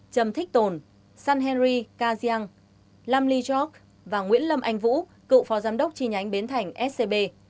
trầm thích tồn san henry ca giang lam ly choc và nguyễn lâm anh vũ cựu phó giám đốc chi nhánh bến thành scb